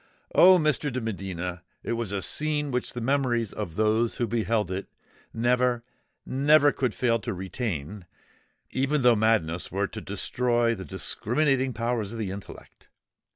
Oh! Mr. de Medina, it was a scene which the memories of those who beheld it, never—never could fail to retain—even though madness were to destroy the discriminating powers of the intellect!